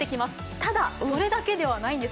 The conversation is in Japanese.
ただ、それだけではないんです。